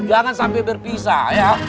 jangan sampai berpisah ya